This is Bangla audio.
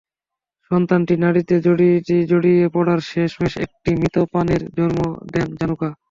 সন্তানটি নাড়িতে জড়িয়ে পড়ায় শেষ মেষ একটি মৃত সন্তানের জন্ম দেন জানুকা।